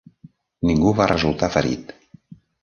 Ningú va resultar ferit.